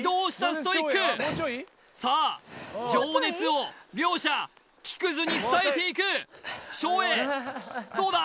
ストイックさあ情熱王両者木くずに伝えていく照英どうだ？